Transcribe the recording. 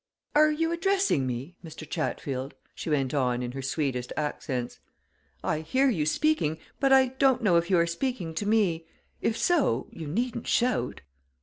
Are you addressing me, Mr. Chatfield?" she went on in her sweetest accents. "I hear you speaking, but I don't know if you are speaking to me. If so, you needn't shout."